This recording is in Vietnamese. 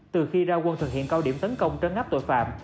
từ khi ra quân thực hiện cao điểm tấn công trấn áp tội phạm